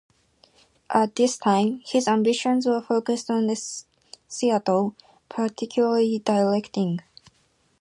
At this time, his ambitions were focused on the theatre, particularly directing.